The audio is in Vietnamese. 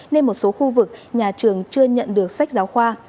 nên một số khu vực nhà trường chưa nhận được sách giáo khoa